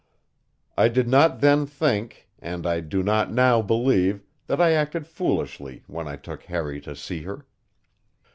I did not then think, and I do not now believe, that I acted foolishly when I took Harry to see her.